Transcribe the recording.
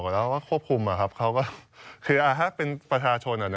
ถ้าเกิดเป็นประชาชน